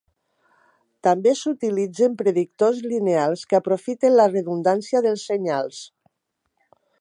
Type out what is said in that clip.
També s'utilitzen predictors lineals que aprofiten la redundància dels senyals.